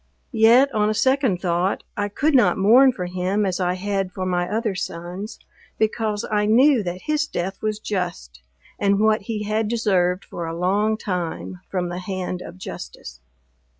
Yet, on a second thought, I could not mourn for him as I had for my other sons, because I knew that his death was just, and what he had deserved for a long time, from the hand of justice.